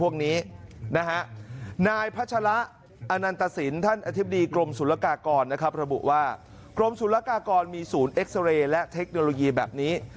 กรมสู่รกากรมีศูนย์เอ็กเซอร์และเทคโนโลยีแบบนี้